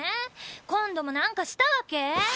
今度もなんかしたわけ？